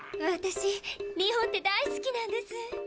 私日本って大好きなんです。